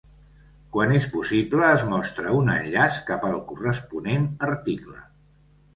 Quan és possible es mostra un enllaç cap al corresponent article.